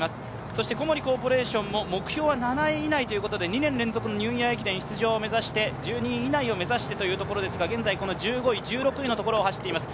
そして小森コーポレーションも目標は７位以内を目指して２年連続のニューイヤー駅伝出場を目指して、１２位以内を目指してというところですが１５、１６位を走っています。